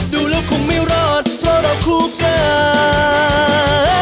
ดูแล้วคงไม่รอดเพราะเราคู่กัน